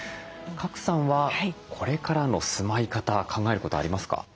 賀来さんはこれからの住まい方考えることありますか？